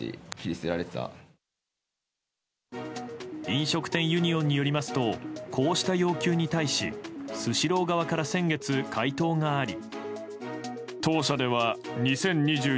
飲食店ユニオンによりますとこうした要求に対しスシロー側から先月、回答があり。